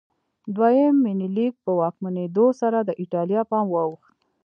دویم منیلیک په واکمنېدو سره د ایټالیا پام واوښت.